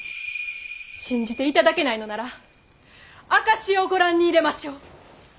信じていただけないのなら証しをご覧に入れましょう！